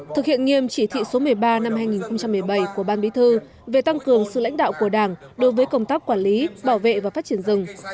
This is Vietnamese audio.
thực hiện nghiêm chỉ thị số một mươi ba năm hai nghìn một mươi bảy của ban bí thư về tăng cường sự lãnh đạo của đảng đối với công tác quản lý bảo vệ và phát triển rừng